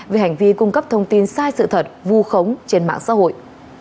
về hành vi cung cấp thông tin sai sự thật vu khống trên mạng xã hội